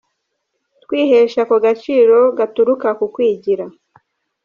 Twihesha ako gaciro gaturuka ku kwigira.